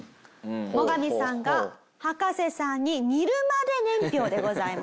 モガミさんが葉加瀬さんに似るまで年表でございます。